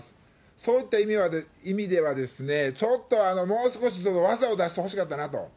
そういった意味では、ちょっともう少し技を出してほしかったなと。